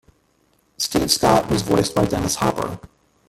Steve Scott was voiced by Dennis Hopper.